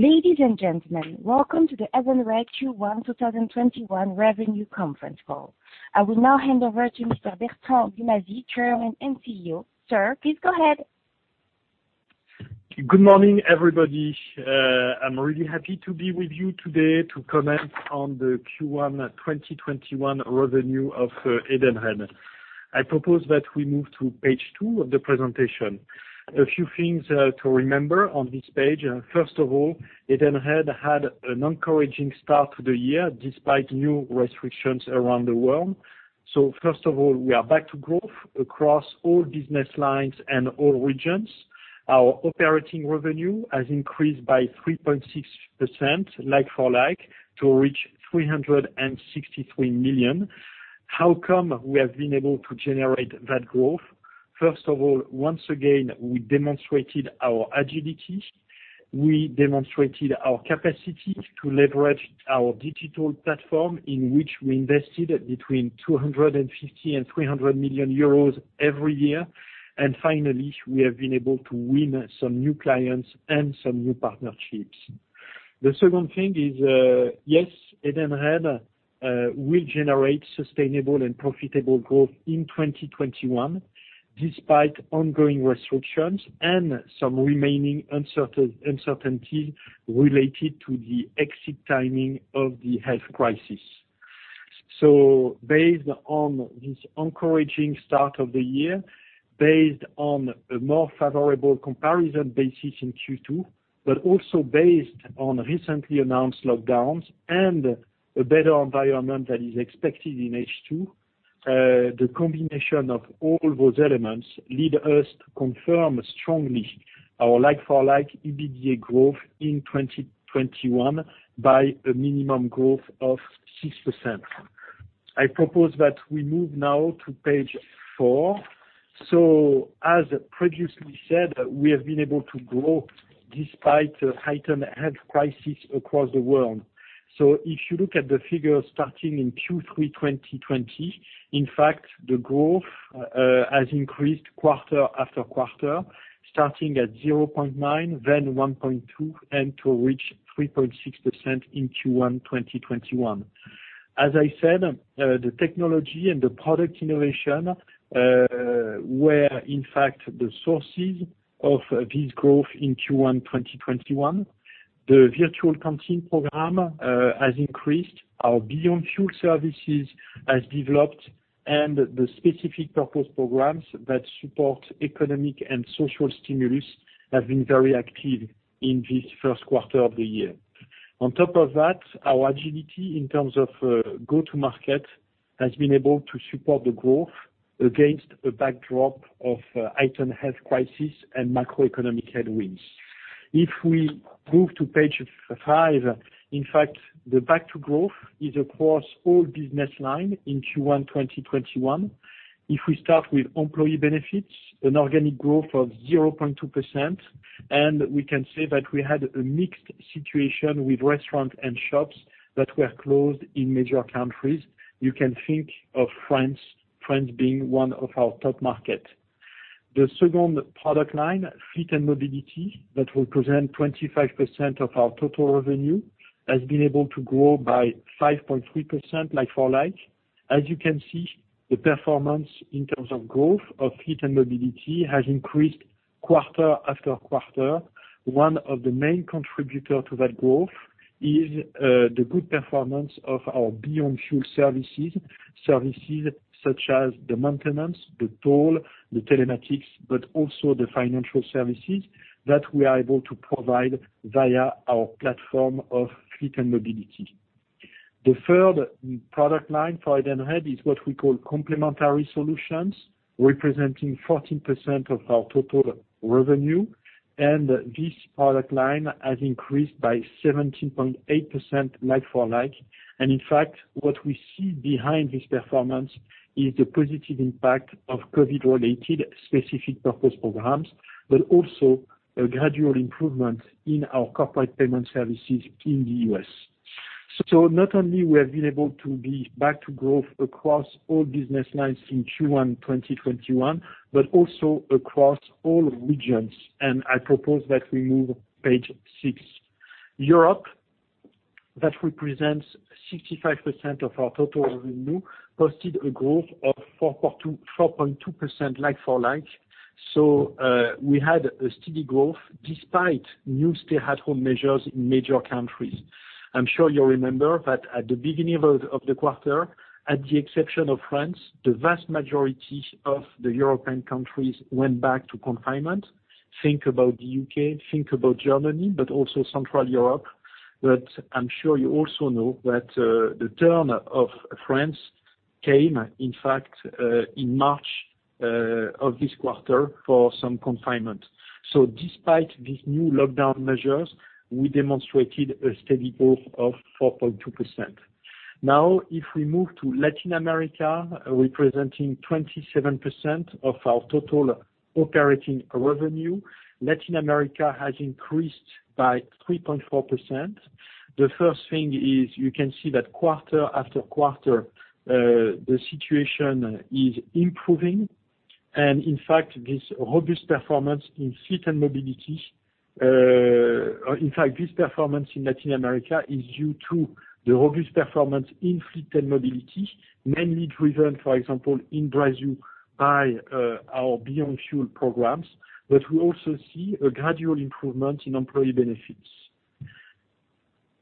Ladies and gentlemen, Welcome to the Edenred Q1 2021 Revenue Conference Call. I will now hand over to Mr. Bertrand Dumazy, Chairman and CEO. Sir, please go ahead. Good morning, everybody. I'm really happy to be with you today to comment on the Q1 2021 revenue of Edenred. I propose that we move to page two of the presentation. A few things to remember on this page. First of all, Edenred had an encouraging start to the year, despite new restrictions around the world. First of all, we are back to growth across all business lines and all regions. Our operating revenue has increased by 3.6%, like-for-like, to reach 363 million. How come we have been able to generate that growth? First of all, once again, we demonstrated our agility. We demonstrated our capacity to leverage our digital platform, in which we invested between 250 million and 300 million euros every year. Finally, we have been able to win some new clients and some new partnerships. The second thing is, yes, Edenred will generate sustainable and profitable growth in 2021, despite ongoing restrictions and some remaining uncertainties related to the exit timing of the health crisis. Based on this encouraging start of the year, based on a more favorable comparison basis in Q2, but also based on recently announced lockdowns and a better environment that is expected in H2, the combination of all those elements leads us to confirm strongly our like-for-like EBITDA growth in 2021 by a minimum growth of 6%. I propose that we move now to page four. As previously said, we have been able to grow despite a heightened health crisis across the world. If you look at the figures starting in Q3 2020, in fact, the growth has increased quarter-after-quarter, starting at 0.9%, then 1.2%, and to reach 3.6% in Q1 2021. As I said, the technology and the product innovation were in fact the sources of this growth in Q1 2021. The virtual canteen program has increased. Our Beyond Fuel services have developed, and the specific-purpose programs that support economic and social stimulus have been very active in the first quarter of the year. On top of that, our agility in terms of go-to-market has been able to support the growth against a backdrop of heightened health crisis and macroeconomic headwinds. If we move to page five, in fact, the back to growth is across all business lines in Q1 2021. If we start with Employee Benefits, an organic growth of 0.2%, and we can say that we had a mixed situation with restaurants and shops that were closed in major countries. You can think of France being one of our top markets. The second product line, Fleet and Mobility, that represent 25% of our total revenue, has been able to grow by 5.3%, like-for-like. As you can see, the performance in terms of growth of Fleet and Mobility has increased quarter-after-quarter. One of the main contributors to that growth is the good performance of our Beyond Fuel services such as the maintenance, the toll, the telematics, but also the financial services that we are able to provide via our platform of Fleet and Mobility. The third product line for Edenred is what we call Complementary Solutions, representing 14% of our total revenue, this product line has increased by 17.8%, like-for-like. In fact, what we see behind this performance is the positive impact of COVID-related specific-purpose programs, but also a gradual improvement in our Corporate Payment services in the U.S. Not only we have been able to be back to growth across all business lines in Q1 2021, but also across all regions. I propose that we move page six. Europe, that represents 65% of our total revenue, posted a growth of 4.2% like-for-like. We had a steady growth despite new stay-at-home measures in major countries. I'm sure you remember that at the beginning of the quarter, at the exception of France, the vast majority of the European countries went back to confinement. Think about the U.K., think about Germany, but also Central Europe. I'm sure you also know that the turn of France came, in fact, in March of this quarter for some confinement. Despite these new lockdown measures, we demonstrated a steady growth of 4.2%. If we move to Latin America, representing 27% of our total operating revenue, Latin America has increased by 3.4%. The first thing is you can see that quarter after quarter, the situation is improving. In fact, this performance in Latin America is due to the robust performance in Fleet and Mobility, mainly driven, for example, in Brazil, by our Beyond Fuel programs. We also see a gradual improvement in Employee Benefits.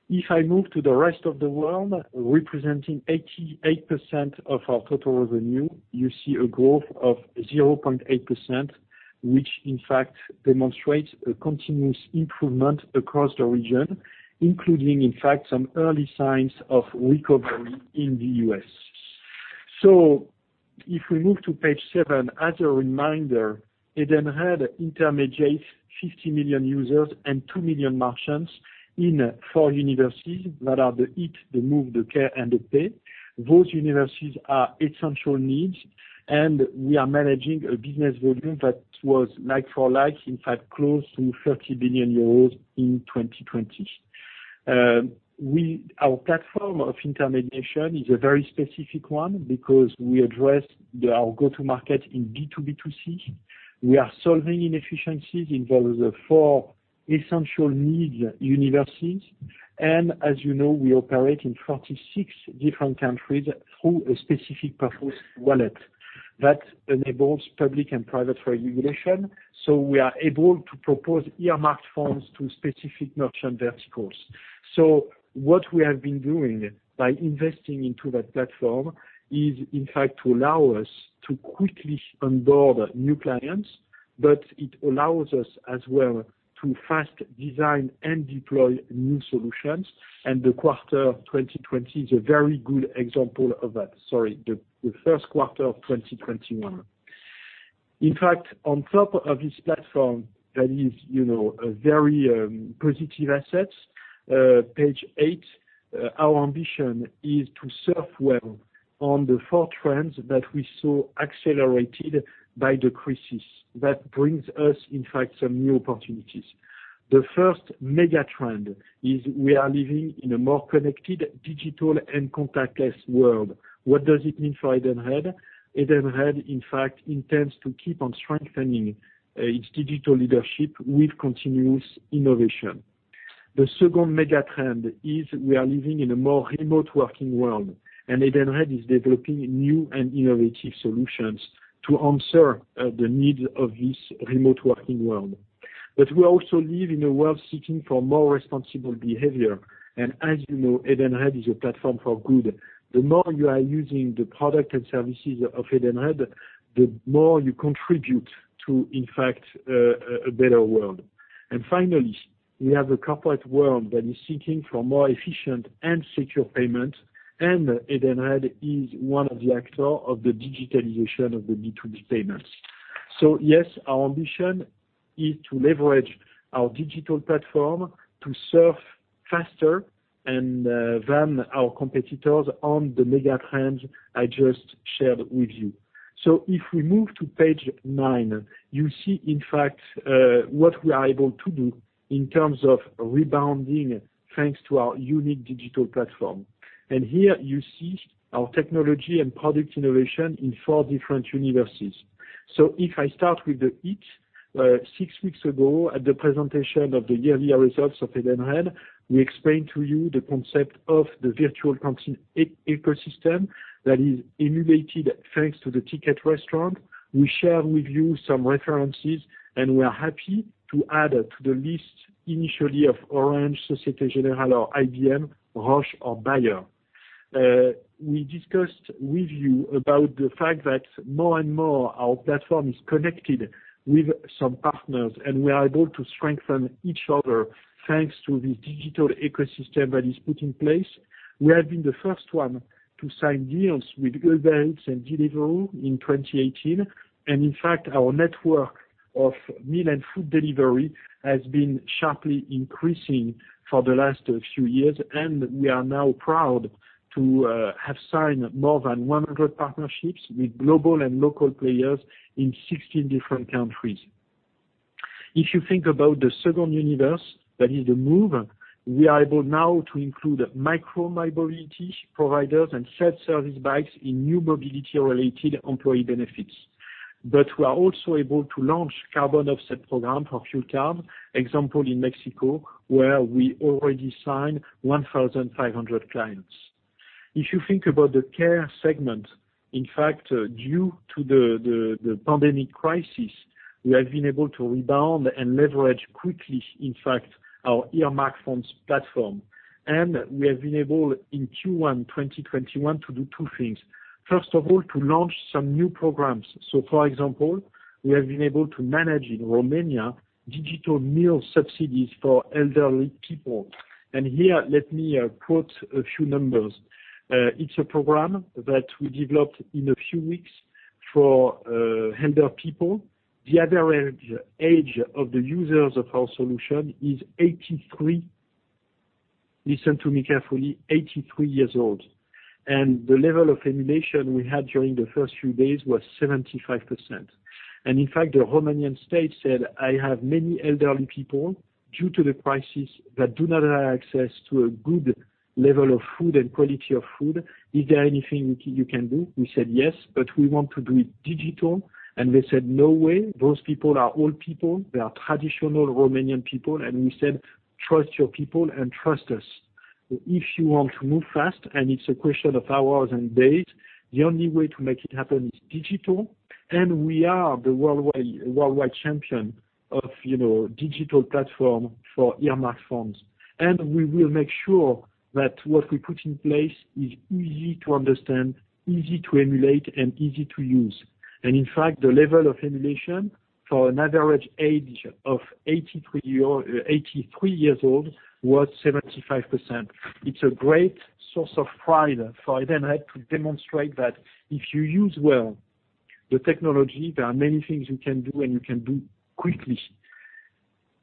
If I move to the rest of the world, representing 88% of our total revenue, you see a growth of 0.8%, which in fact demonstrates a continuous improvement across the region, including, in fact, some early signs of recovery in the U.S. If we move to page seven, as a reminder, Edenred intermediates 50 million users and 2 million merchants in four universes that are the eat, the move, the care, and the pay. Those universes are essential needs; we are managing a business volume that was like-for-like, in fact, close to 30 billion euros in 2020. Our platform of intermediation is a very specific one because we address our go-to market in B2B2C. We are solving inefficiencies in those four essential need universes. As you know, we operate in 46 different countries through a specific-purpose wallet that enables public and private regulation. We are able to propose earmarked funds to specific merchant verticals. What we have been doing by investing in that platform is, in fact, to allow us to quickly onboard new clients, but it allows us as well to fast design and deploy new solutions. The quarter of 2020 is a very good example of that. Sorry, the first quarter of 2021. In fact, on top of this platform, that is a very positive asset. Page eight, our ambition is to surf well on the four trends that we saw accelerated by the crisis. That brings us, in fact, some new opportunities. The first mega-trend is we are living in a more connected, digital, and contactless world. What does it mean for Edenred? Edenred, in fact, intends to keep on strengthening its digital leadership with continuous innovation. The second mega-trend is we are living in a more remote working world, and Edenred is developing new and innovative solutions to answer the needs of this remote working world. We also live in a world seeking more responsible behavior. As you know, Edenred is a platform for good. The more you are using the product and services of Edenred, the more you contribute to, in fact, a better world. Finally, we have a corporate world that is seeking for more efficient and secure payment, and Edenred is one of the actors in the digitalization of the B2B payments. Yes, our ambition is to leverage our digital platform to surf faster than our competitors on the mega-trends I just shared with you. If we move to page nine, you see, in fact, what we are able to do in terms of rebounding, thanks to our unique digital platform. Here you see our technology and product innovation in four different universes. If I start with the eat, six weeks ago at the presentation of the yearly results of Edenred, we explained to you the concept of the Virtual Canteen ecosystem that is innovated thanks to the Ticket Restaurant. We share with you some references, and we are happy to add to the list initially of Orange, Société Générale, or IBM, Roche or Bayer. We discussed with you about the fact that more and more our platform is connected with some partners, and we are able to strengthen each other thanks to this digital ecosystem that is put in place. We have been the first one to sign deals with Uber Eats and Deliveroo in 2018. In fact, our network of meal and food delivery has been sharply increasing for the last few years. We are now proud to have signed more than 100 partnerships with global and local players in 16 different countries. If you think about the second universe, that is the mobility, we are able now to include micro-mobility providers and self-service bikes in new mobility-related Employee Benefits. We are also able to launch carbon offset program for fuel cards, example in Mexico, where we already signed 1,500 clients. If you think about the care segment, in fact, due to the pandemic crisis, we have been able to rebound and leverage quickly, in fact, our earmark funds platform. We have been able in Q1 2021 to do two things. First of all, to launch some new programs. For example, we have been able to manage in Romania digital meal subsidies for elderly people. Here, let me quote a few numbers. It's a program that we developed in a few weeks for elder people. The average age of the users of our solution is 83. Listen to me carefully, 83 years old. The level of emulation we had during the first few days was 75%. In fact, the Romanian state said, "I have many elderly people, due to the crisis, that do not have access to a good level of food and quality of food. Is there anything you can do?" We said, "Yes, but we want to do it digital." They said, "No way. Those people are old people. They are traditional Romanian people." We said, "Trust your people and trust us. If you want to move fast, and it's a question of hours and days, the only way to make it happen is digital. We are the worldwide champion of digital platform for earmarked forms. We will make sure that what we put in place is easy to understand, easy to emulate, and easy to use. In fact, the level of emulation for an average age of 83 years old was 75%. It's a great source of pride for Edenred to demonstrate that if you use well the technology, there are many things you can do, and you can do quickly.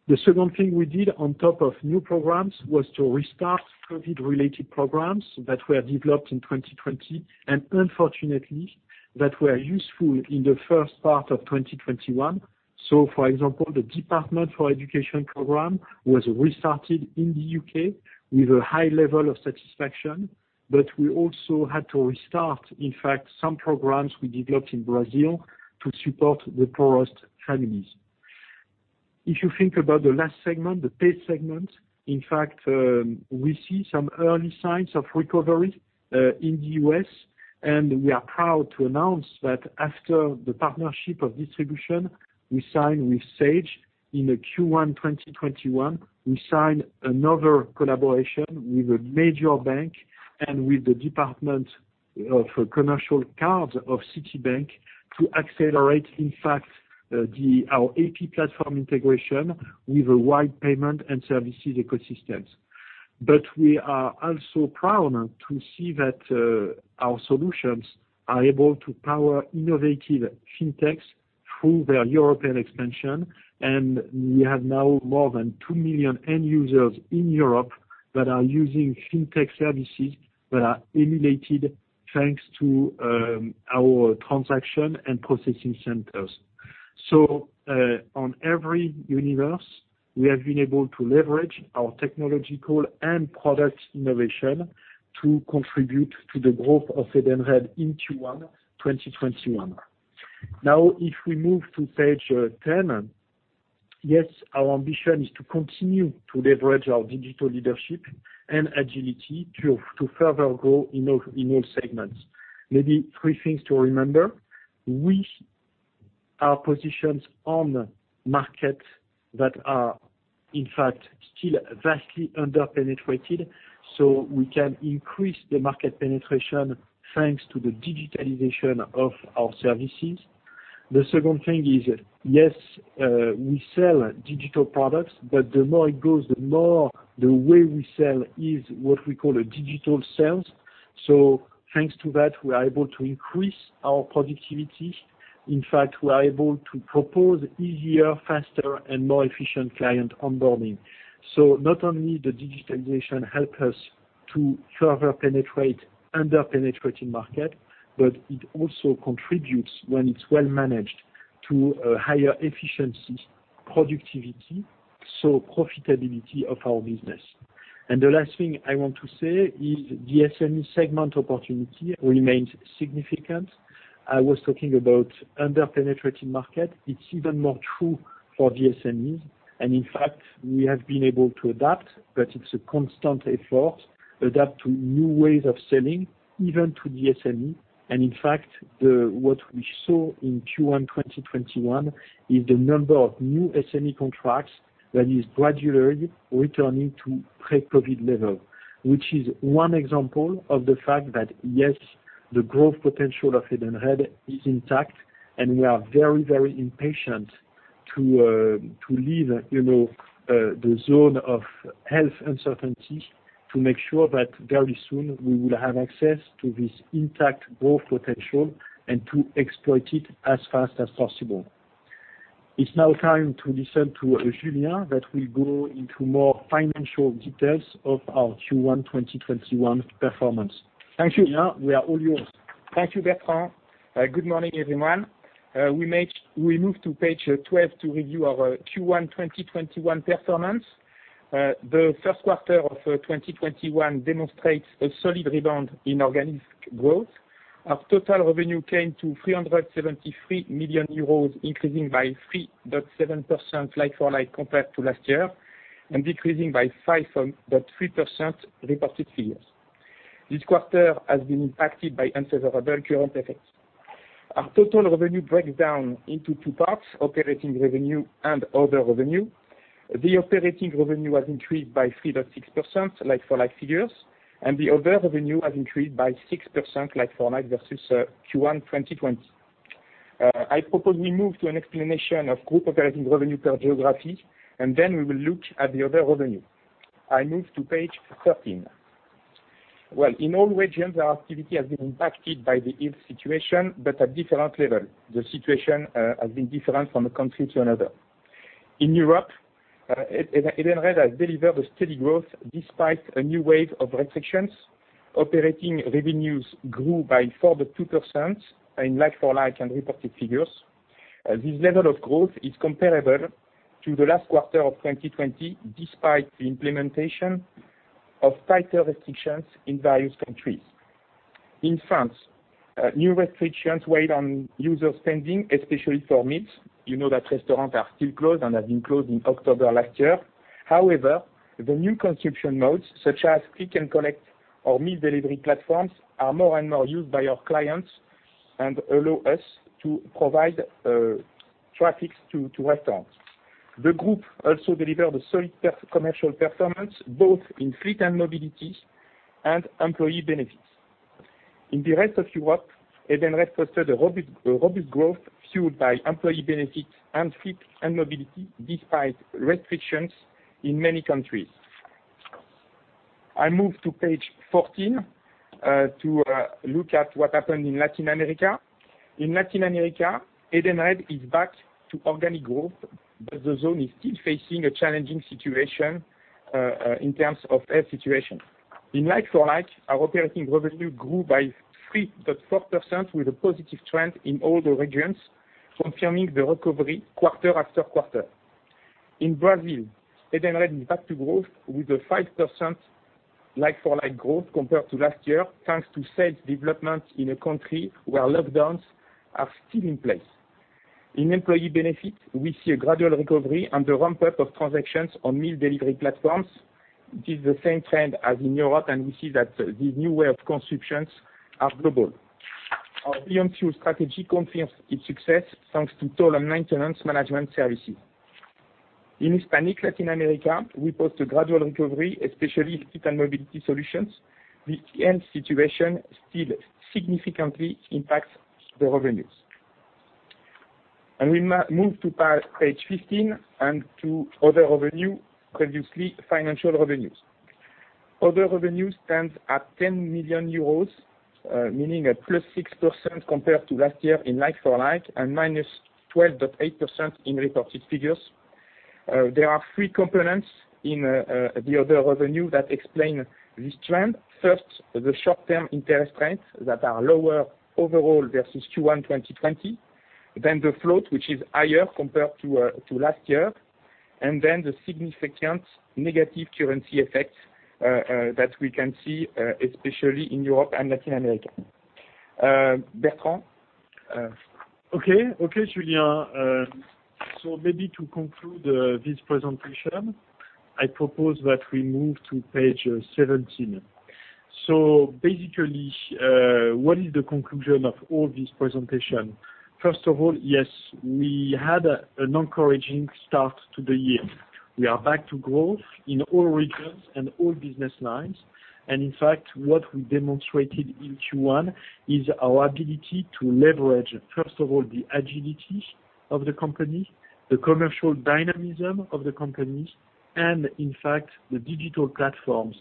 The second thing we did on top of new programs was to restart COVID-related programs that were developed in 2020, and unfortunately, that were useful in the first part of 2021. For example, the Department for Education program was restarted in the U.K. with a high level of satisfaction. We also had to restart, in fact, some programs we developed in Brazil to support the poorest families. If you think about the last segment, the pay segment, in fact, we see some early signs of recovery in the U.S., and we are proud to announce that after the partnership of distribution we signed with Sage in the Q1 2021, we signed another collaboration with a major bank and with the department of commercial cards of Citibank to accelerate, in fact, our AP platform integration with a wide payment and services ecosystems. We are also proud to see that our solutions are able to power innovative fintechs through their European expansion. We now have more than 2 million end users in Europe that are using fintech services that are emulated thanks to our transaction and processing centers. On every universe, we have been able to leverage our technological and product innovation to contribute to the growth of Edenred in Q1 2021. If we move to page 10. Yes, our ambition is to continue to leverage our digital leadership and agility to further grow in all segments. Maybe three things to remember. We are positioned on markets that are, in fact, still vastly under-penetrated. We can increase the market penetration thanks to the digitalization of our services. The second thing is, yes, we sell digital products, but the more it goes, the more the way we sell is what we call a digital sales. Thanks to that, we are able to increase our productivity. In fact, we are able to propose easier, faster, and more efficient client onboarding. Not only the digitalization help us to further penetrate under-penetrated market, but it also contributes, when it's well managed, to a higher efficiency, productivity, so profitability of our business. The last thing I want to say is the SME segment opportunity remains significant. I was talking about an under-penetrated market. It's even more true for the SMEs. In fact, we have been able to adapt, but it's a constant effort, adapt to new ways of selling, even to the SME. In fact, what we saw in Q1 2021 is the number of new SME contracts that is gradually returning to pre-COVID level, which is one example of the fact that, yes, the growth potential of Edenred is intact, and we are very impatient to leave the zone of health uncertainty to make sure that very soon we will have access to this intact growth potential and to exploit it as fast as possible. It's now time to listen to Julien, who will go into more financial details of our Q1 2021 performance. Thank you, Julien. We are all yours. Thank you, Bertrand. Good morning, everyone. We move to page 12 to review our Q1 2021 performance. The first quarter of 2021 demonstrates a solid rebound in organic growth. Our total revenue came to 373 million euros, increasing by 3.7% like-for-like compared to last year and decreasing by 5.3% reported figures. This quarter has been impacted by unfavorable currency effects. Our total revenue breaks down into two parts, operating revenue and other revenue. The operating revenue has increased by 3.6%, like-for-like figures, and the other revenue has increased by 6%, like-for-like, versus Q1 2020. I propose we move to an explanation of group operating revenue per geography, and then we will look at the other revenue. I move to page 13. Well, in all regions, our activity has been impacted by the health situation, but at different levels. The situation has been different from country to another. In Europe, Edenred has delivered a steady growth despite a new wave of restrictions. Operating revenues grew by 4.2% in like-for-like and reported figures. This level of growth is comparable to the last quarter of 2020, despite the implementation of tighter restrictions in various countries. In France, new restrictions weighed on user spending, especially for meals. You know that restaurants are still closed and have been closed since October last year. However, the new consumption modes, such as click and collect or meal delivery platforms, are more and more used by our clients and allow us to provide traffic to restaurants. The group also delivered a solid commercial performance both in Fleet and Mobility and Employee Benefits. In the rest of Europe, Edenred posted a robust growth fueled by Employee Benefits and Fleet and Mobility, despite restrictions in many countries. I move to page 14 to look at what happened in Latin America. In Latin America, Edenred is back to organic growth, but the zone is still facing a challenging situation in terms of health situation. In like-for-like, our operating revenue grew by 3.4% with a positive trend in all the regions, confirming the recovery quarter-after-quarter. In Brazil, Edenred is back to growth with a 5% like-for-like growth compared to last year, thanks to sales development in a country where lockdowns are still in place. In Employee Benefits, we see a gradual recovery and a ramp-up of transactions on meal delivery platforms. It is the same trend as in Europe, and we see that these new ways of consumption are global. Our Beyond Fuel strategy confirms its success, thanks to total maintenance management services. In Hispanic Latin America, we post a gradual recovery, especially Fleet and Mobility solutions. The health situation still significantly impacts the revenues. We move to page 15 and to other revenue, previously financial revenues. Other revenue stands at 10 million euros, meaning a +6% compared to last year in like-for-like and -12.8% in reported figures. There are three components in the other revenue that explain this trend. First, the short-term interest rates that are lower overall versus Q1 2020. The float, which is higher compared to last year. The significant negative currency effects that we can see, especially in Europe and Latin America. Bertrand? Okay, Julien. Maybe to conclude this presentation, I propose that we move to page 17. Basically, what is the conclusion of all this presentation? First of all, yes, we had an encouraging start to the year. We are back to growth in all regions and all business lines. In fact, what we demonstrated in Q1 is our ability to leverage, first of all, the agility of the company, the commercial dynamism of the company, and, in fact, the digital platforms,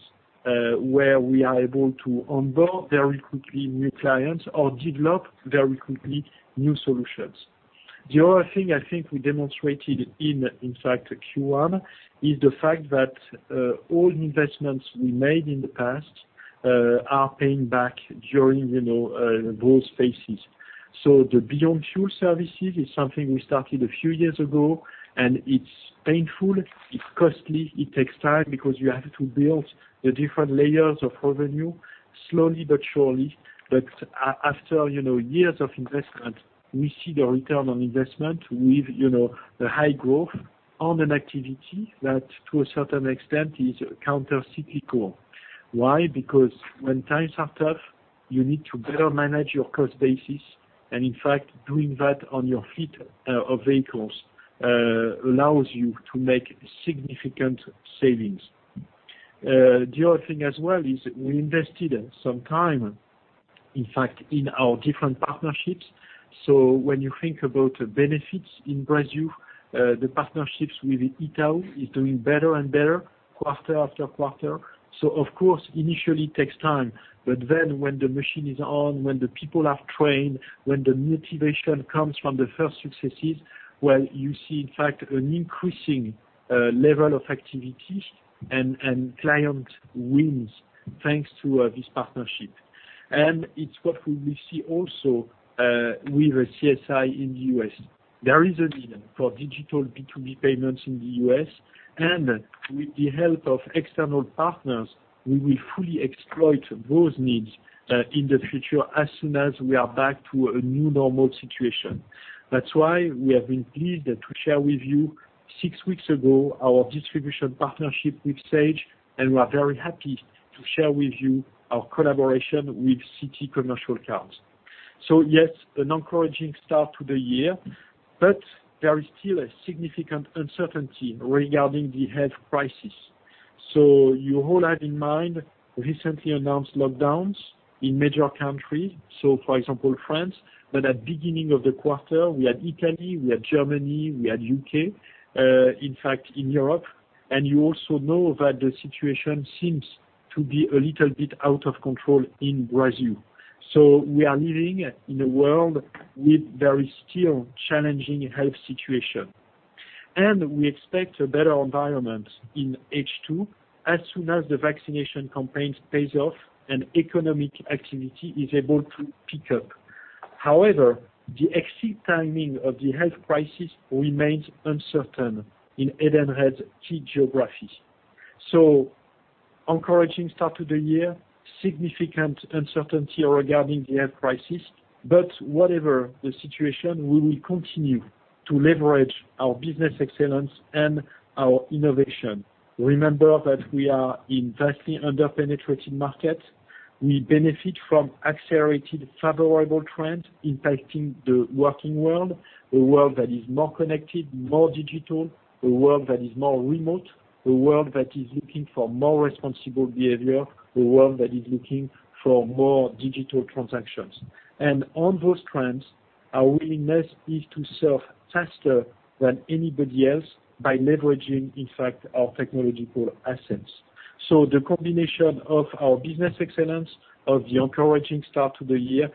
where we are able to onboard very quickly new clients or develop very quickly new solutions. The other thing I think we demonstrated in Q1 is the fact that all investments we made in the past are paying back during growth phases. The Beyond Fuel service is something we started a few years ago, and it's painful, it's costly, it takes time because you have to build the different layers of revenue slowly but surely. After years of investment, we see the return on investment with the high growth on an activity that, to a certain extent, is countercyclical. Why? Because when times are tough, you need to better manage your cost basis. In fact, doing that on your fleet of vehicles allows you to make significant savings. The other thing as well is we invested some time, in fact, in our different partnerships. When you think about benefits in Brazil, the partnerships with Itaú are doing better and better quarter-after-quarter. Of course, initially it takes time, but then when the machine is on, when the people are trained, when the motivation comes from the first successes, well, you see, in fact, an increasing level of activity and client wins thanks to this partnership. It's what we will see also with CSI in the U.S. There is a need for digital B2B payments in the U.S., and with the help of external partners, we will fully exploit those needs in the future as soon as we are back to a new normal situation. That's why we have been pleased to share with you six weeks ago our distribution partnership with Sage, and we are very happy to share with you our collaboration with Citi Commercial Cards. Yes, an encouraging start to the year, but there is still a significant uncertainty regarding the health crisis. You all have in mind recently announced lockdowns in major countries. For example, France, at beginning of the quarter, we had Italy, we had Germany, we had U.K., in fact, in Europe. You also know that the situation seems to be a little bit out of control in Brazil. We are living in a world with very still challenging health situation. We expect a better environment in H2 as soon as the vaccination campaign pays off and economic activity is able to pick up. However, the exact timing of the health crisis remains uncertain in Edenred's key geographies. Encouraging start to the year, significant uncertainty regarding the health crisis, whatever the situation, we will continue to leverage our business excellence and our innovation. Remember that we are in vastly under-penetrated markets. We benefit from accelerated, favorable trends impacting the working world, a world that is more connected, more digital, a world that is more remote, a world that is looking for more responsible behavior, a world that is looking for more digital transactions. On those trends, our willingness is to serve faster than anybody else by leveraging, in fact, our technological assets. The combination of our business excellence, of the encouraging start to the year,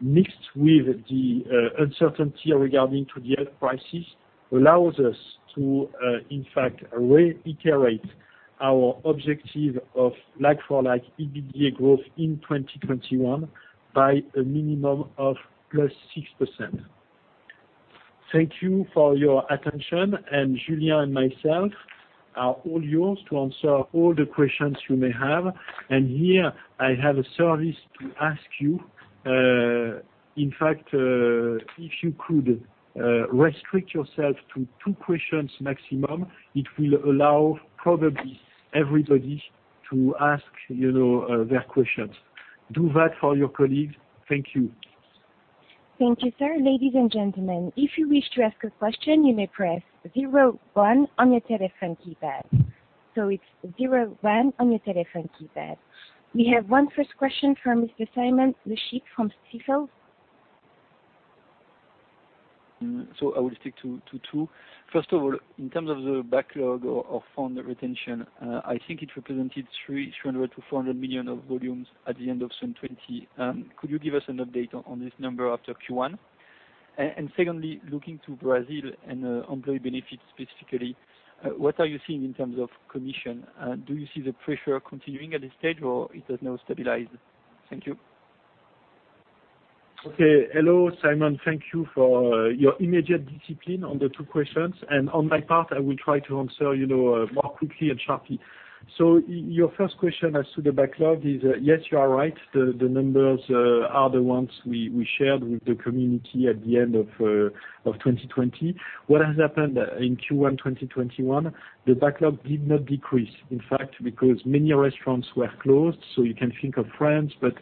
mixed with the uncertainty regarding to the health crisis, allows us to, in fact, reiterate our objective of like-for-like EBITDA growth in 2021 by a minimum of plus 6%. Thank you for your attention, Julien and myself are all yours to answer all the questions you may have. Here I have a service to ask you. In fact, if you could restrict yourself to two questions maximum, it will allow probably everybody to ask their questions. Do that for your colleagues. Thank you. Thank you, sir. Ladies and gentlemen, if you wish to ask a question, you may press zero one on your telephone keypad. It's zero one on your telephone keypad. We have one first question from Mr. Simon Lechipre from Stifel. I will stick to two. First of all, in terms of the backlog or fund retention, I think it represented 300 million-400 million of volumes at the end of 2020. Could you give us an update on this number after Q1? Secondly, looking to Brazil and Employee Benefits specifically, what are you seeing in terms of commission? Do you see the pressure continuing at this stage, or it has now stabilized? Thank you. Okay. Hello, Simon. Thank you for your immediate discipline on the two questions. On my part, I will try to answer more quickly and sharply. Your first question as to the backlog is, yes, you are right. The numbers are the ones we shared with the community at the end of 2020. What has happened in Q1 2021, the backlog did not decrease; in fact, because many restaurants were closed. You can think of France, but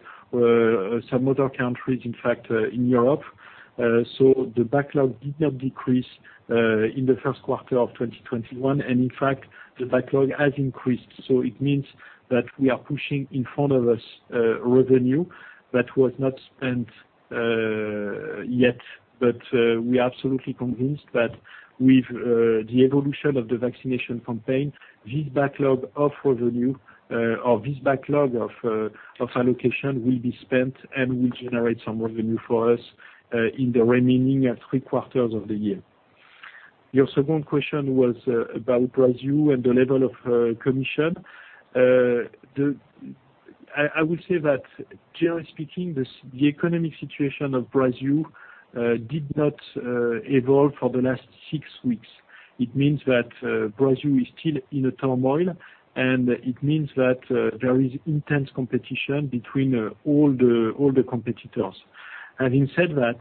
some other countries, in fact, in Europe. The backlog did not decrease in the first quarter of 2021. In fact, the backlog has increased. It means that we are pushing in front of us revenue that was not spent yet. We are absolutely convinced that with the evolution of the vaccination campaign, this backlog of revenue or this backlog of allocation will be spent and will generate some revenue for us in the remaining three quarters of the year. Your second question was about Brazil and the level of commission. I would say that, generally speaking, the economic situation of Brazil has not evolved for the last six weeks. It means that Brazil is still in turmoil, and it means that there is intense competition between all the competitors. Having said that,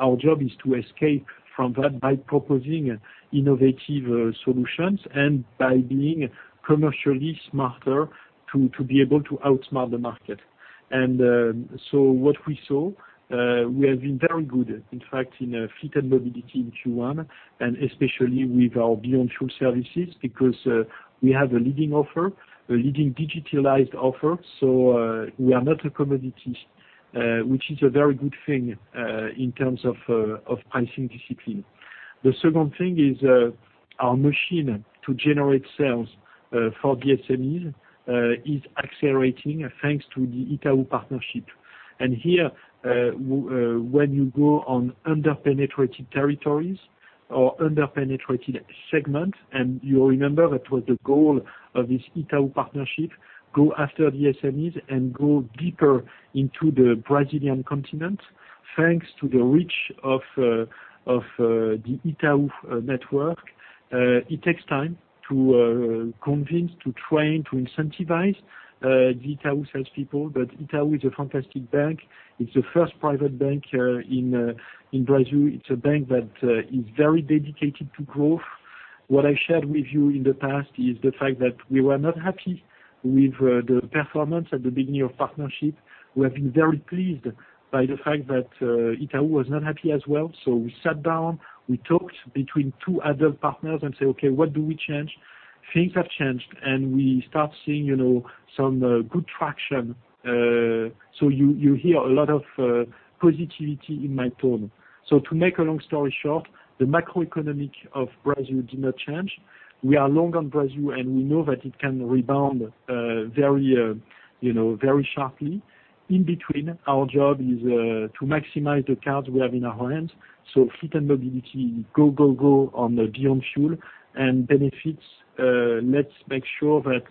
our job is to escape from that by proposing innovative solutions and by being commercially smarter to be able to outsmart the market. What we saw, we have been very good, in fact, in Fleet and Mobility in Q1, especially with our Beyond Fuel services, because we have a leading offer, a leading digitalized offer. We are not a commodity, which is a very good thing in terms of pricing discipline. The second thing is our machine to generate sales for the SME is accelerating, thanks to the Itaú partnership. Here, when you go into under-penetrated territories or under-penetrated segments, and you remember that was the goal of this Itaú partnership, go after the SME and go deeper into the Brazilian continent, thanks to the reach of the Itaú network. It takes time to convince, to train, to incentivize the Itaú salespeople, but Itaú is a fantastic bank. It's the first private bank in Brazil. It's a bank that is very dedicated to growth. What I shared with you in the past is the fact that we were not happy with the performance at the beginning of partnership. We have been very pleased by the fact that Itaú was not happy as well. We sat down, we talked between two adult partners and said, "Okay, what do we change?" Things have changed, we start seeing some good traction. You hear a lot of positivity in my tone. To make a long story short, the macroeconomic of Brazil did not change. We are long on Brazil, we know that it can rebound very sharply. In between, our job is to maximize the cards we have in our hands. Fleet and Mobility, go on the Beyond Fuel. Benefits, let's make sure that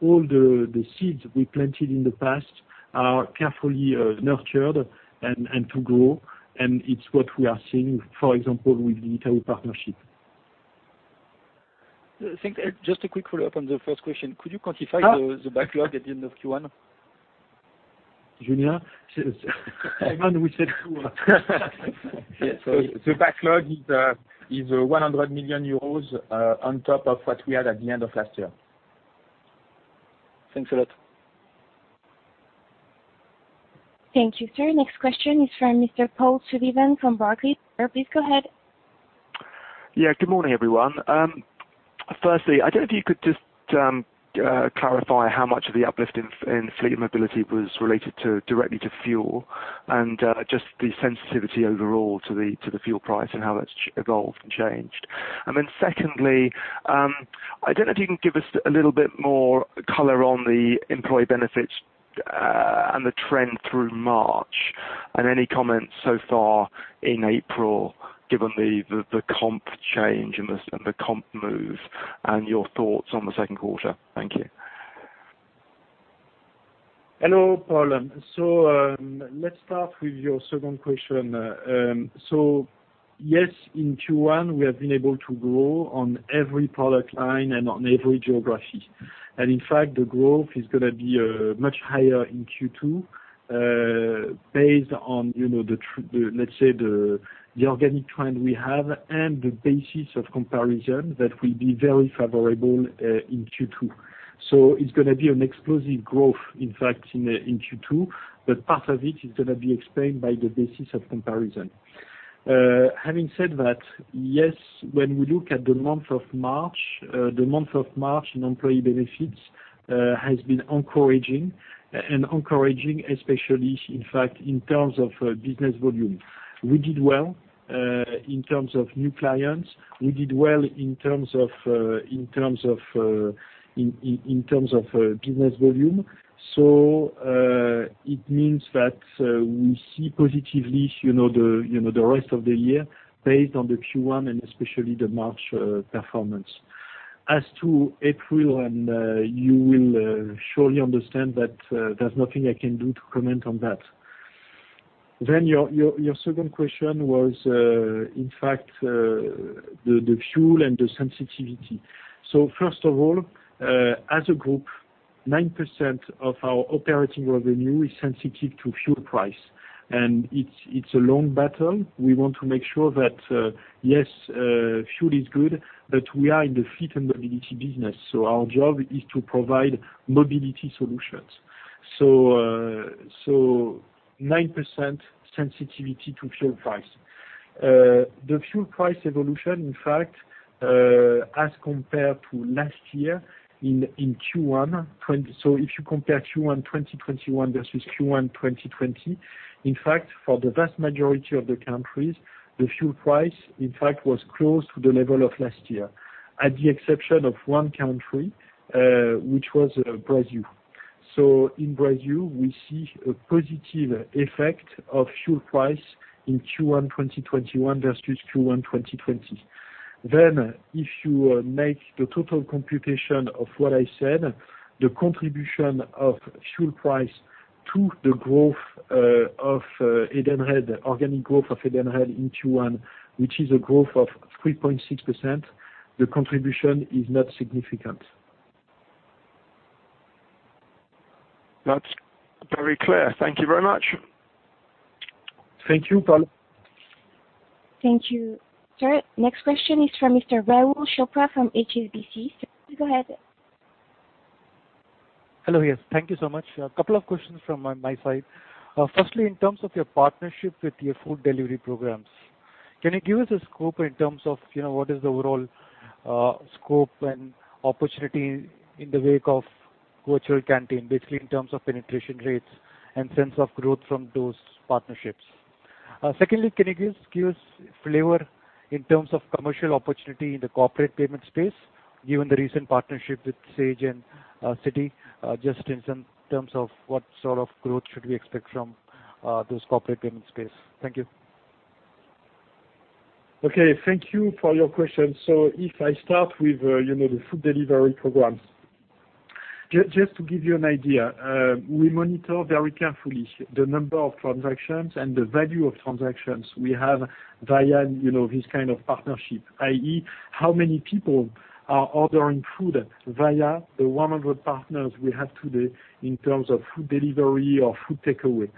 all the seeds we planted in the past are carefully nurtured and to grow. It's what we are seeing, for example, with the Itaú partnership. I think just a quick follow-up on the first question. Could you quantify the backlog at the end of Q1? Julien? Simon, we said two. Yes. The backlog is 100 million euros on top of what we had at the end of last year. Thanks a lot. Thank you, sir. Next question is from Mr. Paul Sullivan from Barclays. Sir, please go ahead. Good morning, everyone. Firstly, I don't know if you could just clarify how much of the uplift in Fleet and Mobility was related directly to fuel and just the sensitivity overall to the fuel price and how that's evolved and changed. Secondly, I don't know if you can give us a little bit more color on the Employee Benefits and the trend through March, and any comments so far in April, given the comp change and the comp move, and your thoughts on the second quarter. Thank you. Hello, Paul. Let's start with your second question. Yes, in Q1, we have been able to grow on every product line and on every geography. In fact, the growth is going to be much higher in Q2, based on the organic trend we have and the basis of comparison that will be very favorable in Q2. It's going to be an explosive growth, in fact, in Q2. Part of it is going to be explained by the basis of comparison. Having said that, yes, when we look at the month of March, the month of March in Employee Benefits has been encouraging, especially, in fact, in terms of business volume. We did well in terms of new clients. We did well in terms of business volume. It means that we see positively the rest of the year based on the Q1 and especially the March performance. As to April, you will surely understand that there is nothing I can do to comment on that. Your second question was, in fact, the fuel and the sensitivity. First of all, as a group, 9% of our operating revenue is sensitive to fuel prices, and it is a long battle. We want to make sure that, yes, fuel is good, but we are in the Fleet and Mobility business, so our job is to provide mobility solutions. 9% sensitivity to fuel price. The fuel price evolution, in fact, as compared to last year in Q1, so if you compare Q1 2021 versus Q1 2020, in fact, for the vast majority of the countries, the fuel price, in fact, was close to the level of last year. With the exception of one country, which was Brazil. In Brazil, we see a positive effect of fuel prices in Q1 2021 versus Q1 2020. If you make the total computation of what I said, the contribution of fuel price to the growth of Edenred, organic growth of Edenred in Q1, which is a growth of 3.6%, the contribution is not significant. That's very clear. Thank you very much. Thank you, Paul. Thank you. Sir, the next question is from Mr. Rahul Chopra from HSBC. Sir, please go ahead. Hello. Yes. Thank you so much. A couple of questions from my side. Firstly, in terms of your partnership with your food delivery programs, can you give us a scope in terms of what is the overall scope and opportunity in the wake of virtual canteen, basically in terms of penetration rates and sense of growth from those partnerships? Secondly, can you give us a flavor in terms of commercial opportunity in the Corporate Payment space, given the recent partnership with Sage and Citi, just in terms of what sort of growth should we expect from those Corporate Payment space? Thank you. Thank you for your question. If I start with the food delivery programs. Just to give you an idea, we monitor very carefully the number of transactions and the value of transactions we have via this kind of partnership, i.e., how many people are ordering food via the 100 partners we have today in terms of food delivery or food takeaway.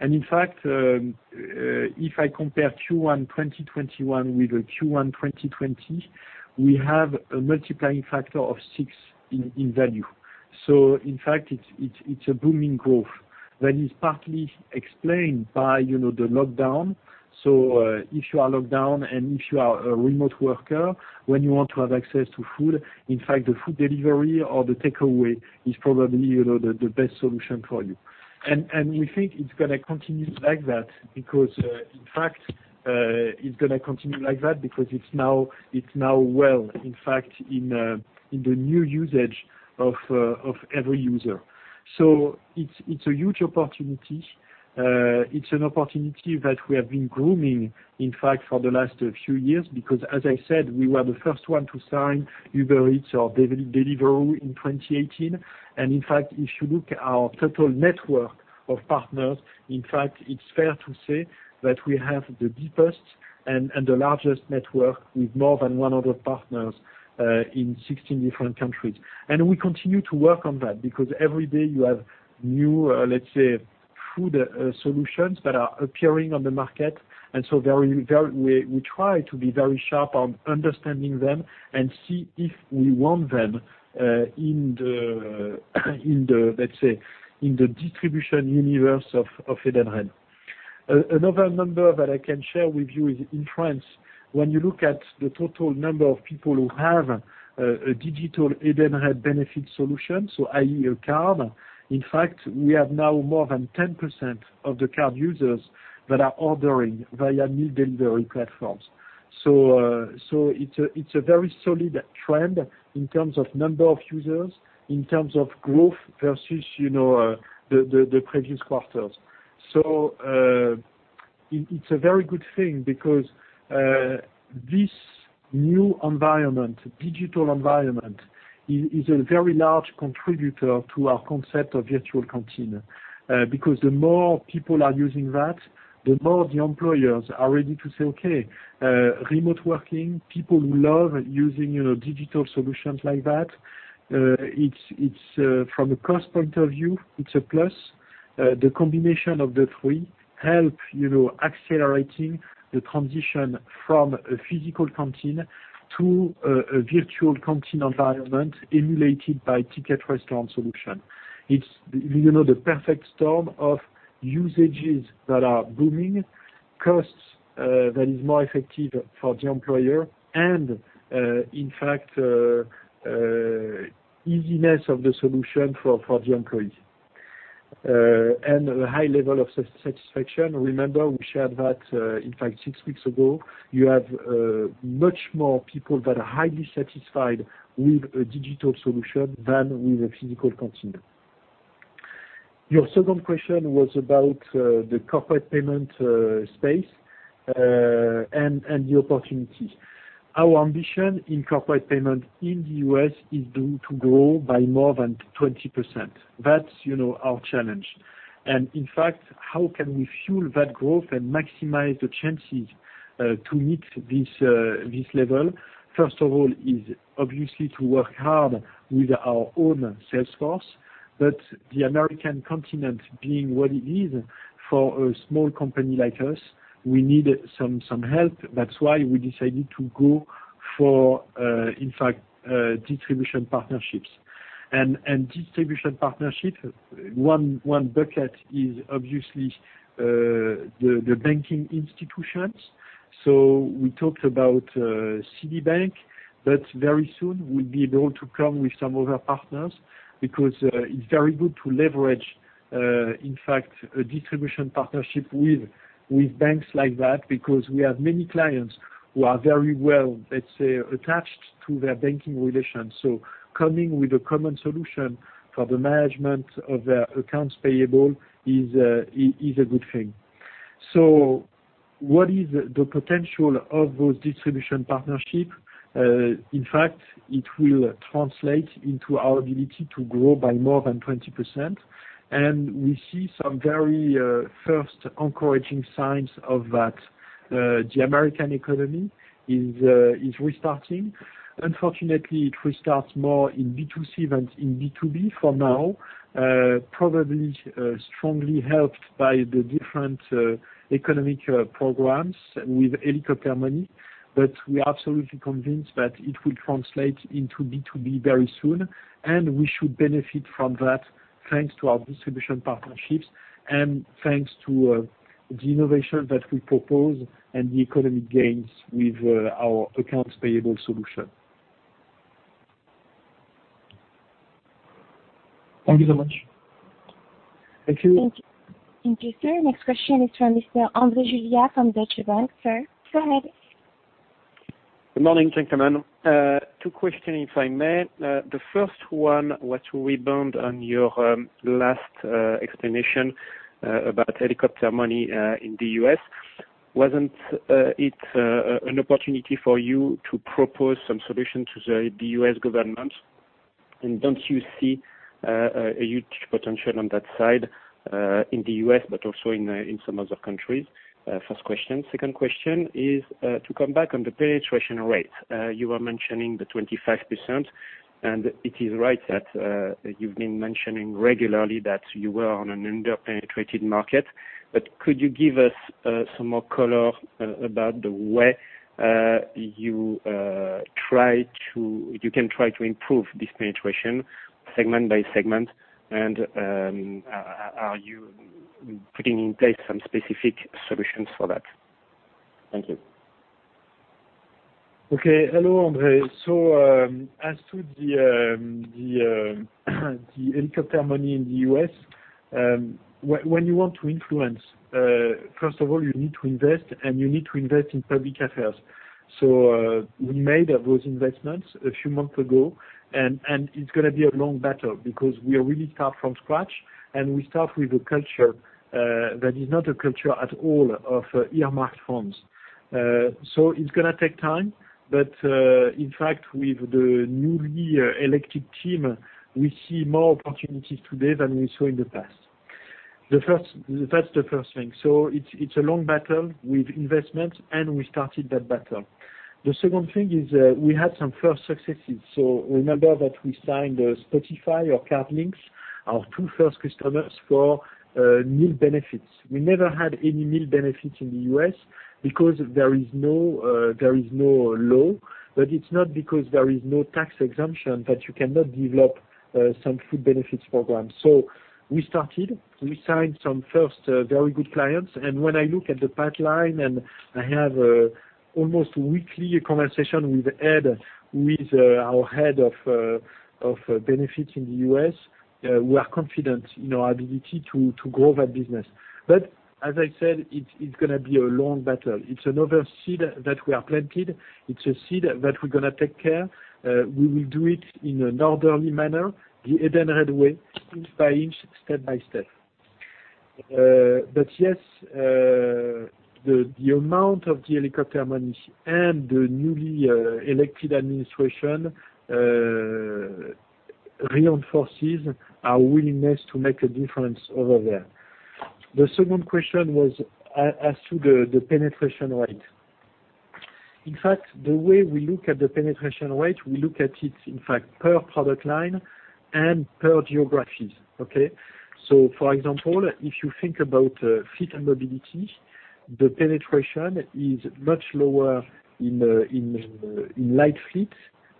In fact, if I compare Q1 2021 with Q1 2020, we have a multiplying factor of six in value. In fact, it's a booming growth that is partly explained by the lockdown. If you are locked down and if you are a remote worker, when you want to have access to food, in fact, the food delivery or the takeaway is probably the best solution for you. We think it's going to continue like that because it's now well, in fact, in the new usage of every user. It's a huge opportunity. It's an opportunity that we have been grooming, in fact, for the last few years, because as I said, we were the first one to sign Uber Eats or Deliveroo in 2018. In fact, if you look at our total network of partners, in fact, it's fair to say that we have the deepest and the largest network with more than 100 partners in 16 different countries. We continue to work on that because every day you have new, let's say, food solutions that are appearing on the market, and so we try to be very sharp on understanding them and see if we want them, let's say, in the distribution universe of Edenred. Another number that I can share with you is in France, when you look at the total number of people who have a digital Edenred benefit solution, so i.e., a card, in fact, we have now more than 10% of the card users that are ordering via meal delivery platforms. It's a very solid trend in terms of the number of users, in terms of growth versus the previous quarters. It's a very good thing because this new environment, digital environment, is a very large contributor to our concept of virtual canteen. The more people are using that, the more the employers are ready to say, "Okay, remote working, people who love using digital solutions like that." From a cost point of view, it's a plus. The combination of the three help accelerating the transition from a physical canteen to a virtual canteen environment emulated by Ticket Restaurant solution. It's the perfect storm of usages that are booming, costs that are more effective for the employer, and in fact, easiness of the solution for the employees. A high level of satisfaction. Remember, we shared that, in fact, six weeks ago. You have much more people that are highly satisfied with a digital solution than with a physical canteen. Your second question was about the Corporate Payment space and the opportunity. Our ambition in Corporate Payment in the U.S. is to grow by more than 20%. That's our challenge. In fact, how can we fuel that growth and maximize the chances to meet this level? First of all is obviously to work hard with our own sales force, but the American continent being what it is for a small company like us, we need some help. That's why we decided to go for distribution partnerships. Distribution partnership, one bucket is obviously the banking institutions. We talked about Citibank, but very soon we'll be able to come with some other partners because it's very good to leverage a distribution partnership with banks like that because we have many clients who are very well, let's say, attached to their banking relations. Coming with a common solution for the management of their accounts payable is a good thing. What is the potential of those distribution partnership? In fact, it will translate into our ability to grow by more than 20%, and we see some very first encouraging signs of that. The American economy is restarting. Unfortunately, it restarts more in B2C than in B2B for now, probably strongly helped by the different economic programs with helicopter money. We are absolutely convinced that it will translate into B2B very soon, and we should benefit from that thanks to our distribution partnerships and thanks to the innovation that we propose and the economic gains with our accounts payable solution. Thank you so much. Thank you. Thank you, sir. Next question is from Mr. André Juillard from Deutsche Bank. Sir, go ahead. Good morning. Thanks, Bertrand. Two questions, if I may. The first one was to rebound on your last explanation about helicopter money in the U.S. Wasn't it an opportunity for you to propose some solution to the U.S. government? Don't you see a huge potential on that side, in the U.S. but also in some other countries? First question. The second question is to come back on the penetration rate. You were mentioning the 25%, and it is right that you've been mentioning regularly that you were on an under-penetrated market. Could you give us some more color about the way you can try to improve this penetration segment by segment? Are you putting in place some specific solutions for that? Thank you. Hello, André. As to the helicopter money in the U.S., when you want to influence, first of all, you need to invest, and you need to invest in public affairs. We made those investments a few months ago, and it's going to be a long battle because we are really start from scratch, and we start with a culture that is not a culture at all of earmarked funds. It's going to take time, but in fact, with the newly elected team, we see more opportunities today than we saw in the past. That's the first thing. It's a long battle with investments, and we started that battle. The second thing is we had some first successes. Remember that we signed Spotify or Cardlink, our two first customers for meal benefits. We never had any meal benefits in the U.S. because there is no law. It's not because there is no tax exemption that you cannot develop some food benefits program. We started, we signed some first very good clients. When I look at the pipeline, and I have almost weekly conversations with Ed, with our head of benefits in the U.S., we are confident in our ability to grow that business. As I said, it's going to be a long battle. It's another seed that we have planted. It's a seed that we're going to take care. We will do it in an orderly manner, the Edenred way, inch by inch, step by step. Yes, the amount of the helicopter money and the newly elected administration reinforces our willingness to make a difference over there. The second question was as to the penetration rate. In fact, the way we look at the penetration rate, we look at it in fact per product line and per geographies. Okay. For example, if you think about Fleet and Mobility, the penetration is much lower in light fleet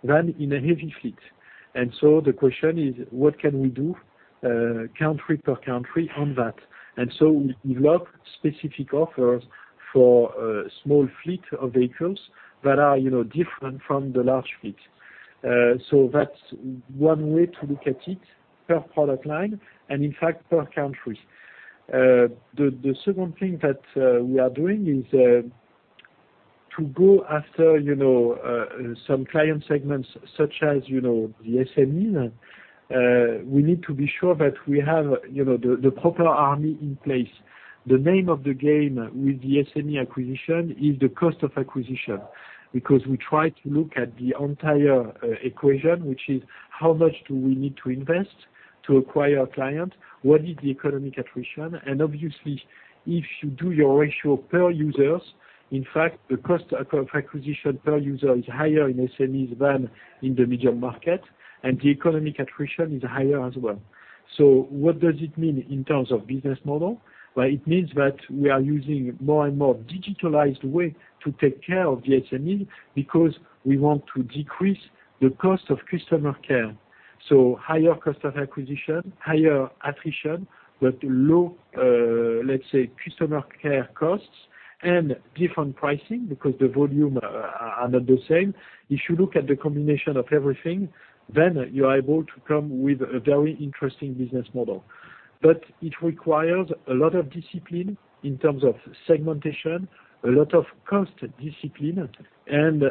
than in a heavy fleet. The question is what can we do country per country on that? We develop specific offers for small fleet of vehicles that are different from the large fleet. That's one way to look at it per product line and in fact per country. The second thing that we are doing is to go after some client segments such as the SME. We need to be sure that we have the proper army in place. The name of the game with the SME acquisition is the cost of acquisition, because we try to look at the entire equation, which is how much do we need to invest to acquire a client? What is the economic attrition? Obviously, if you do your ratio per users, in fact, the cost of acquisition per user is higher in SMEs than in the medium market, and the economic attrition is higher as well. What does it mean in terms of business model? Well, it means that we are using more and more digitalized way to take care of the SME because we want to decrease the cost of customer care. Higher cost of acquisition, higher attrition, but low, let's say, customer care costs and different pricing because the volumes are not the same. You look at the combination of everything, you are able to come with a very interesting business model. It requires a lot of discipline in terms of segmentation, a lot of cost discipline, and,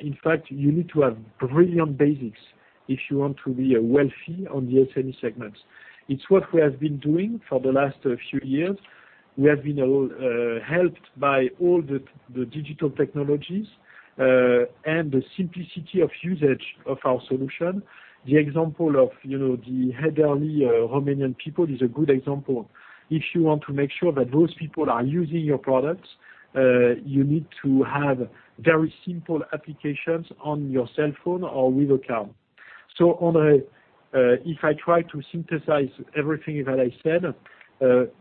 in fact, you need to have brilliant basics if you want to be wealthy on the SME segments. It's what we have been doing for the last few years. We have been helped by all the digital technologies and the simplicity of usage of our solution. The example of the elderly Romanian people is a good example. You want to make sure that those people are using your products, you need to have very simple applications on your cell phone or with a card. André, I try to synthesize everything that I said,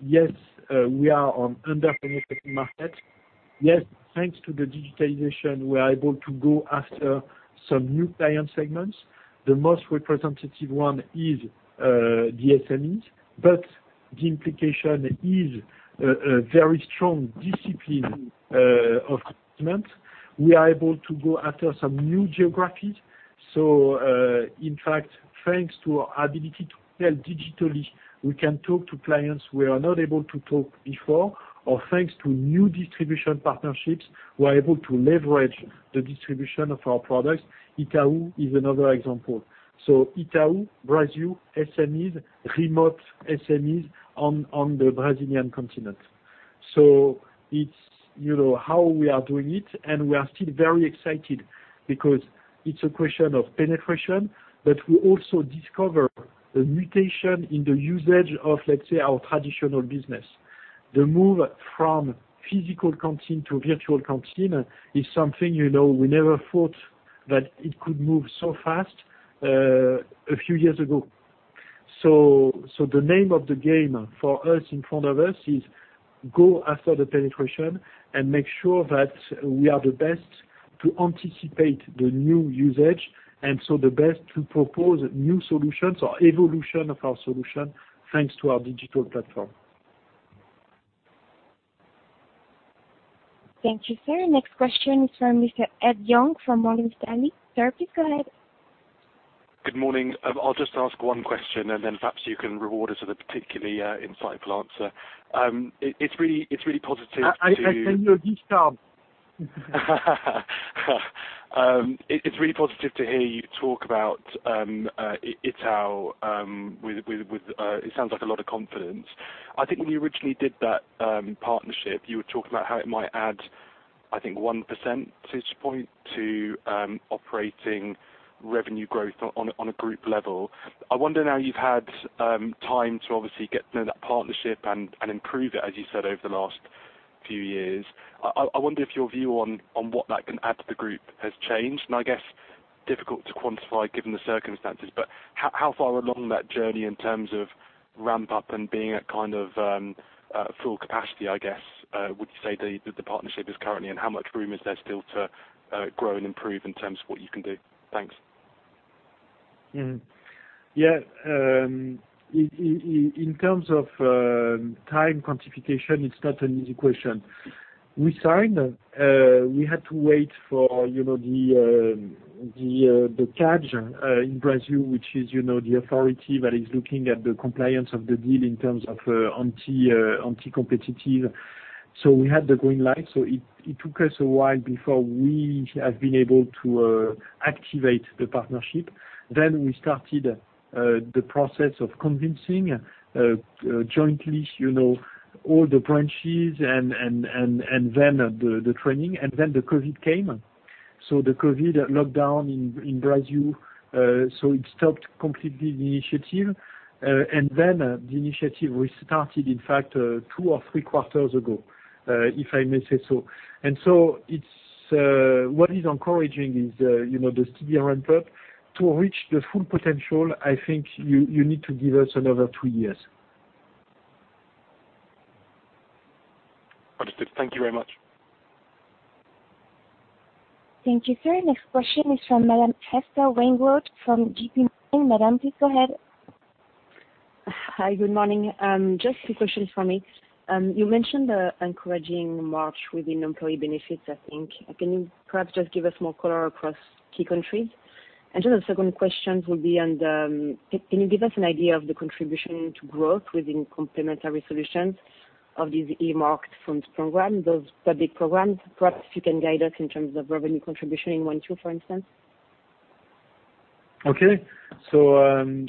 yes, we are on underpenetrated market. Yes, thanks to the digitalization, we are able to go after some new client segments. The most representative one is the SMEs, but the implication is a very strong discipline of management. We are able to go after some new geographies. In fact, thanks to our ability to sell digitally, we can talk to clients we are not able to talk before or thanks to new distribution partnerships, we are able to leverage the distribution of our products. Itaú is another example. Itaú, Brazil, SMEs, remote SMEs on the Brazilian continent. It's how we are doing it, and we are still very excited because it's a question of penetration, but we also discover a mutation in the usage of, let's say, our traditional business. The move from physical canteen to virtual canteen is something we never thought that it could move so fast a few years ago. The name of the game for us in front of us is go after the penetration and make sure that we are the best to anticipate the new usage and so the best to propose new solutions or evolution of our solution thanks to our digital platform. Thank you, sir. Next question is from Mr. Ed Young from Morgan Stanley. Sir, please go ahead. Good morning. I'll just ask one question, then perhaps you can reward us with a particularly insightful answer. I send you a discount. It's really positive to hear you talk about Itaú with, it sounds like, a lot of confidence. I think when you originally did that partnership, you were talking about how it might add, I think, 1 percentage point to operating revenue growth on a group level. I wonder now you've had time to obviously get to know that partnership and improve it, as you said, over the last few years. I wonder if your view on what that can add to the group has changed. I guess, difficult to quantify given the circumstances. How far along that journey in terms of ramp-up and being at kind of full capacity, I guess, would you say the partnership is currently? How much room is there still to grow and improve in terms of what you can do? Thanks. Yes. In terms of time quantification, it's not an easy question. We signed, we had to wait for the CADE in Brazil, which is the authority that is looking at the compliance of the deal in terms of anti-competitive. We had the green light. It took us a while before we have been able to activate the partnership. We started the process of convincing, jointly, all the branches, and then the training, and then COVID came. The COVID lockdown in Brazil, it stopped completely the initiative. The initiative restarted, in fact, two or three quarters ago, if I may say so. What is encouraging is, the steady ramp-up. To reach the full potential, I think you need to give us another two years. Understood. Thank you very much. Thank you, sir. The next question is from Madame Estelle Weingrod from JPMorgan. Madame, please go ahead. Hi, good morning. Just two questions from me. You mentioned the encouraging March within Employee Benefits, I think. Can you perhaps just give us more color across key countries? Just a second question will be on, can you give us an idea of the contribution to growth within Complementary Solutions of these earmarked funds program, those public programs? Perhaps you can guide us in terms of revenue contribution in one, two, for instance. Okay.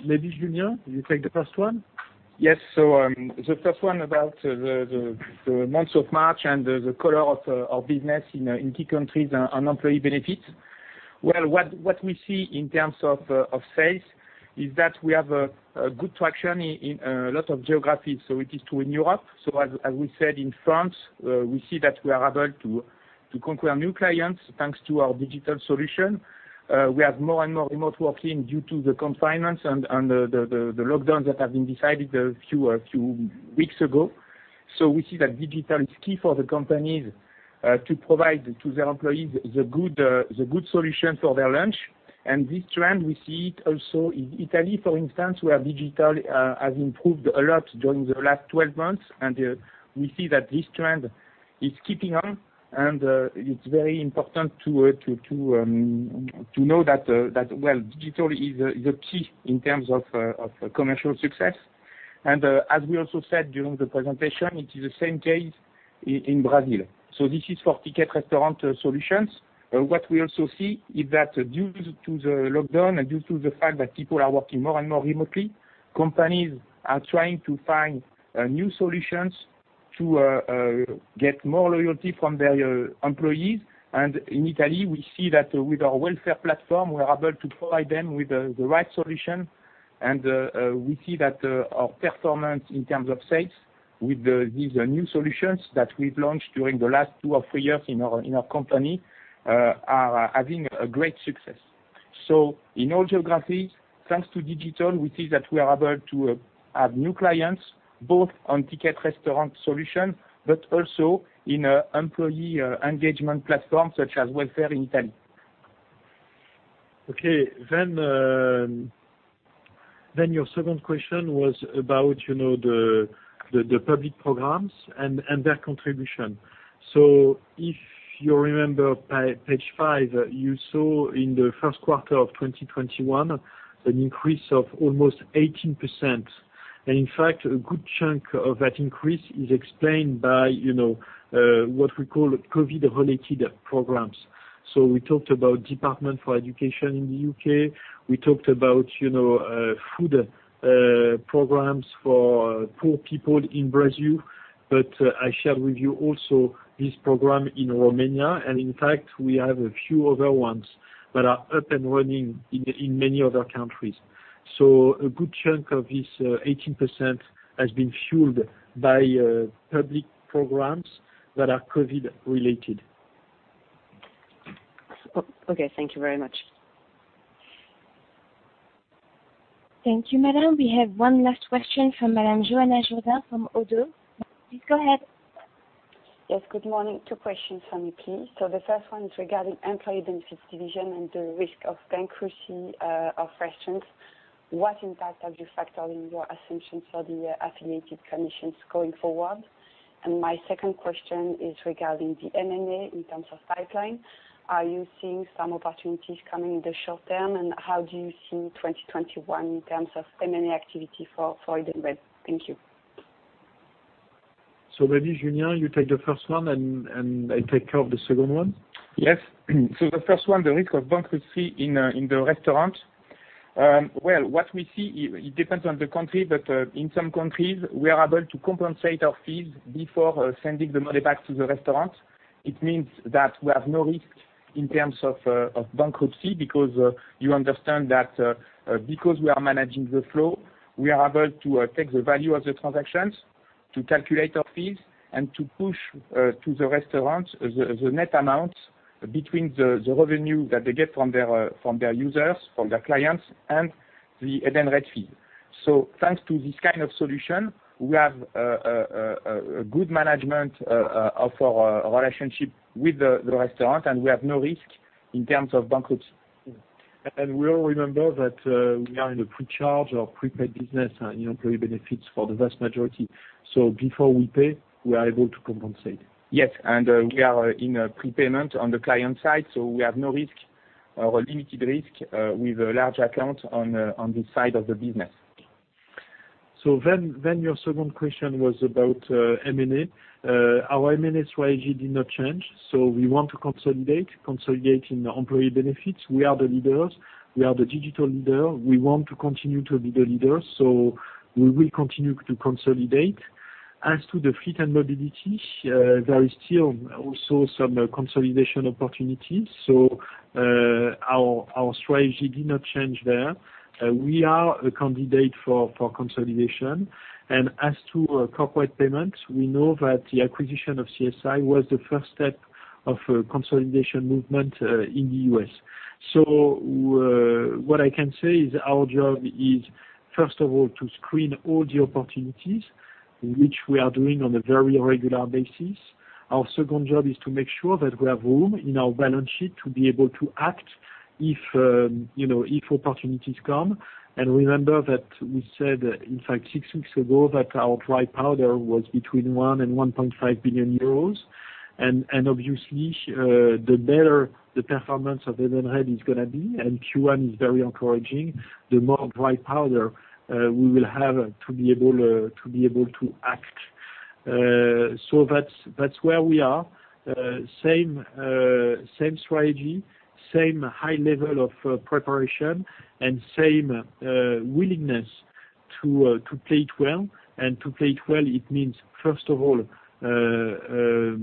Maybe Julien, you take the first one? Yes. The first one about the month of March and the color of business in key countries on Employee Benefits. What we see in terms of sales is that we have a good traction in a lot of geographies. It is true in Europe. As we said in France, we see that we are able to conquer new clients thanks to our digital solution. We have more and more remote working due to the confinement and the lockdown that was decided a few weeks ago. We see that digital is key for the companies to provide to their employees the good solution for their lunch. This trend, we see it also in Italy, for instance, where digital has improved a lot during the last 12 months, and we see that this trend is keeping on. It's very important to know that, well, digital is a key in terms of commercial success. As we also said during the presentation, it is the same case in Brazil. This is for Ticket Restaurant solutions. What we also see is that due to the lockdown and due to the fact that people are working more and more remotely, companies are trying to find new solutions to get more loyalty from their employees. In Italy, we see that with our welfare platform, we're able to provide them with the right solution, and we see that our performance in terms of sales with these new solutions that we've launched during the last two or three years in our company, are having a great success. In all geographies, thanks to digital, we see that we are able to add new clients, both on Ticket Restaurant solution, but also in employee engagement platforms such as Welfare in Italy. Okay. Your second question was about the public programs and their contribution. If you remember page five, you saw in the first quarter of 2021, an increase of almost 18%. In fact, a good chunk of that increase is explained by what we call COVID-related programs. We talked about the Department for Education in the U.K. We talked about food programs for poor people in Brazil. I also shared with you this program in Romania, and in fact, we have a few other ones that are up and running in many other countries. A good chunk of this 18% has been fueled by public programs that are COVID-related. Okay. Thank you very much. Thank you, Madame. We have one last question from Madame Johanna Jourdain from Oddo. Please go ahead. Yes, good morning. Two questions from me, please. The first one is regarding the Employee Benefits division and the risk of bankruptcy of restaurants. What impact have you factored in your assumptions for the affiliated commissions going forward? My second question is regarding the M&A in terms of pipeline. Are you seeing some opportunities coming in the short term? How do you see 2021 in terms of M&A activity for Edenred? Thank you. Maybe, Julien, you take the first one, and I take care of the second one. Yes. The first one, the risk of bankruptcy in the restaurant. Well, what we see, it depends on the country, but in some countries, we are able to compensate our fees before sending the money back to the restaurant. It means that we have no risk in terms of bankruptcy because you understand that because we are managing the flow, we are able to take the value of the transactions, to calculate our fees, and to push to the restaurant the net amount between the revenue that they get from their users, from their clients, and the Edenred fee. Thanks to this kind of solution, we have good management of our relationship with the restaurant, and we have no risk in terms of bankruptcy. We all remember that we are in a pre-charge or prepaid business in Employee Benefits for the vast majority. Before we pay, we are able to compensate. Yes. We are in a prepayment on the client side, so we have no risk or limited risk with a large account on this side of the business. Your second question was about M&A. Our M&A strategy did not change. We want to consolidate in Employee Benefits. We are the leaders. We are the digital leader. We want to continue to be the leader. We will continue to consolidate. As to the Fleet and Mobility, there are still also some consolidation opportunities. Our strategy did not change there. We are a candidate for consolidation. As to Corporate Payment, we know that the acquisition of CSI was the first step of a consolidation movement in the U.S. What I can say is our job is, first of all, to screen all the opportunities, which we are doing on a very regular basis. Our second job is to make sure that we have room in our balance sheet to be able to act if opportunities come. Remember that we said, in fact, six weeks ago, that our dry powder was between 1 billion and 1.5 billion euros. Obviously, the better the performance of Edenred is going to be, and Q1 is very encouraging, the more dry powder we will have to be able to act. That's where we are. Same strategy, same high level of preparation, and same willingness to play it well. To play it well, it means, first of all,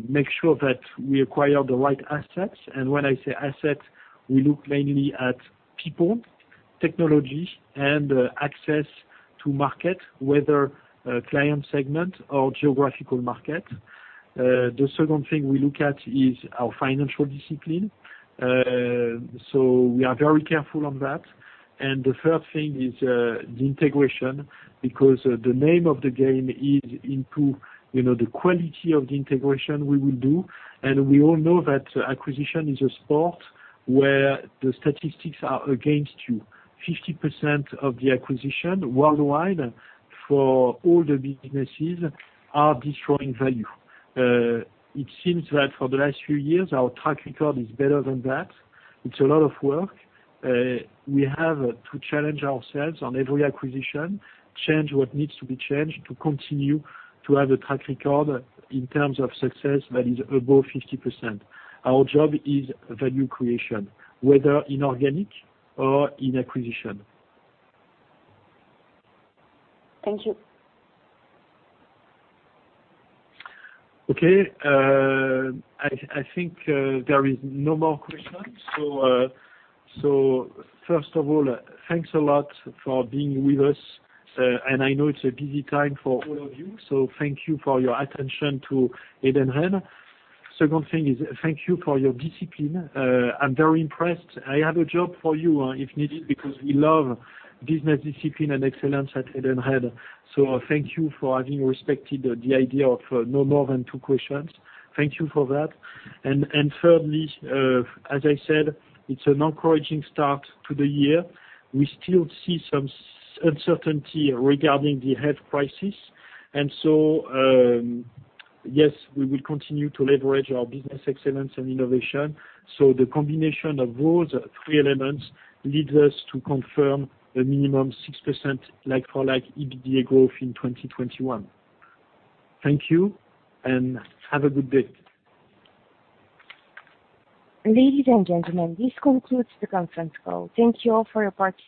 make sure that we acquire the right assets. When I say assets, we look mainly at people, technology, and access to market, whether a client segment or geographical market. The second thing we look at is our financial discipline. We are very careful on that. The third thing is the integration, because the name of the game is improve the quality of the integration we will do. We all know that acquisition is a sport where the statistics are against you. 50% of the acquisitions worldwide for all the businesses are destroying value. It seems that for the last few years, our track record is better than that. It's a lot of work. We have to challenge ourselves on every acquisition, change what needs to be changed to continue to have a track record in terms of success that is above 50%. Our job is value creation, whether inorganic or in acquisition. Thank you. Okay. I think there is no more questions. First of all, thanks a lot for being with us. I know it's a busy time for all of you, so thank you for your attention to Edenred. Second thing is thanked you for your discipline. I'm very impressed. I have a job for you if needed because we love business discipline and excellence at Edenred. Thank you for respecting the idea of no more than two questions. Thank you for that. Thirdly, as I said, it's an encouraging start to the year. We still see some uncertainty regarding the health crisis. Yes, we will continue to leverage our business excellence and innovation. The combination of those three elements leads us to confirm a minimum 6% like-for-like EBITDA growth in 2021. Thank you, and have a good day. Ladies and gentlemen, this concludes the conference call. Thank you all for your participation.